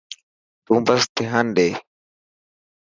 تون بس ڌيان ڏي.